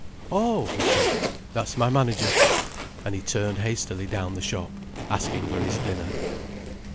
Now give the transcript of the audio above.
"Oh," he said. "That's my manager." And he turned hastily down the shop, asking for his dinner.